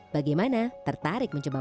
bagaimana tertarik mencoba